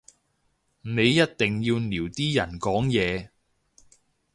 你一定要撩啲人講嘢